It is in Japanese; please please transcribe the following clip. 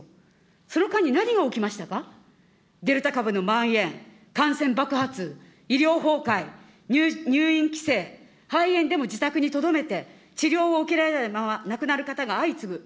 その間に何が起きましたか、デルタ株のまん延、感染爆発、医療崩壊、入院規制、肺炎でも自宅にとどめて、治療を受けられないまま亡くなる方が相次ぐ。